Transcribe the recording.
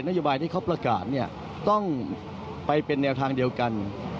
โยบายที่เขาประกาศเนี่ยต้องไปเป็นแนวทางเดียวกัน